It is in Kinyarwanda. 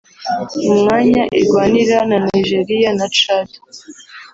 umwanya irwanira na Nigeria na Tchad